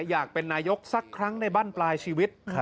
อยากเป็นนายกสักครั้งในบ้านปลายชีวิต